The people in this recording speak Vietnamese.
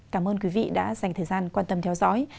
cảm ơn quý vị đã dành thời gian quan tâm theo dõi